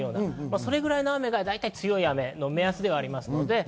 それぐらいの雨が強い雨の目安ではあります。